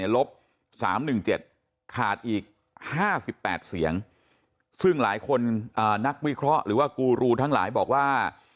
ลบ๓๑๗ขาดอีก๕๘เสียงซึ่งหลายคนนักวิเคราะห์หรือว่ากูรูทั้งหลายบอกว่า